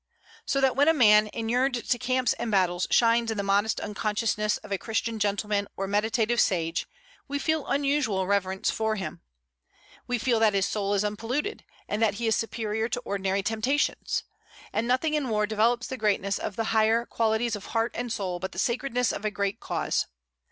So that when a man inured to camps and battles shines in the modest unconsciousness of a Christian gentleman or meditative sage, we feel unusual reverence for him. We feel that his soul is unpolluted, and that he is superior to ordinary temptations. And nothing in war develops the greatness of the higher qualities of heart and soul but the sacredness of a great cause.